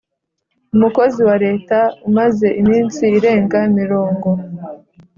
Umukozi Wa Leta Umaze Iminsi Irenga Mirongo